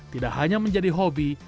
tidak hanya menjadi hobi